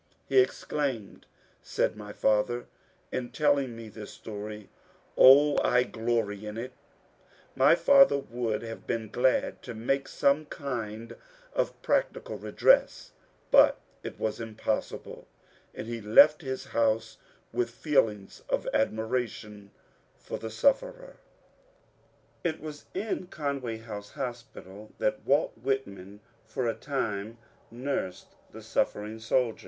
He exclaimed, said my father, in tell ing me this story, " Oh, I glory in it I " My father would have been glad to make some kind of practical redress, but it was impossible, and he left his house with feelings of admira tion for the sufferer. It was in Conway House hospital that Walt Whitman, for a time, nursed the suffering soldiers.